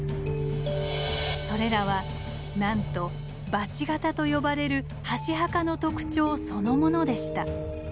それらはなんと「バチ形」と呼ばれる箸墓の特徴そのものでした。